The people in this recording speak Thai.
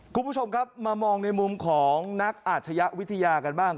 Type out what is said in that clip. คุณผู้ชมครับมามองในมุมของนักอาชญะวิทยากันบ้าง